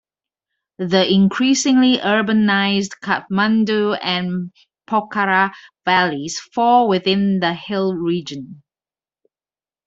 The increasingly urbanized "Kathmandu" and "Pokhara" valleys fall within the Hill region.